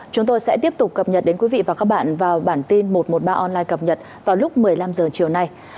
chúng tôi sẽ tiếp tục cập nhật đến quý vị và các bạn vào bản tin một trăm một mươi ba online cập nhật vào lúc một mươi năm h chiều nay